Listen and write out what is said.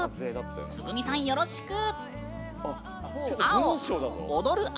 つぐみさん、よろしく！